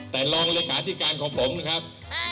แต่รองเลขาธิการของผมนะครับ